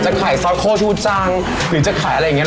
ขายซอยโค้ชูจังหรือจะขายอะไรอย่างนี้